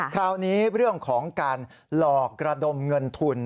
คราวนี้เรื่องของการหลอกระดมเงินทุน